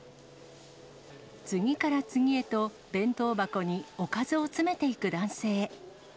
次から次へと弁当箱におかずを詰めていく男性。